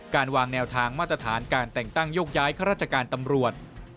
การวางแนวทางมาตรฐานการแต่งตั้งโยกย้ายข้าราชการตำรวจ